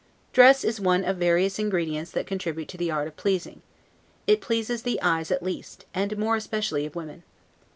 Dress is one of various ingredients that contribute to the art of pleasing; it pleases the eyes at least, and more especially of women.